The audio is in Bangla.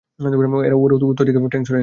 ওরা উত্তর দিকের ট্যাংক সরিয়ে নেয়নি।